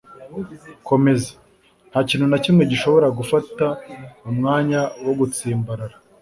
komeza - nta kintu na kimwe gishobora gufata umwanya wo gutsimbarara